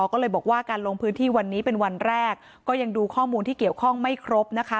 ก็เลยบอกว่าการลงพื้นที่วันนี้เป็นวันแรกก็ยังดูข้อมูลที่เกี่ยวข้องไม่ครบนะคะ